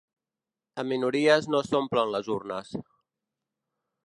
Amb minories no s’omplen les urnes.